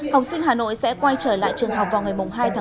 học sinh hà nội sẽ quay trở lại trường học vào ngày hai ba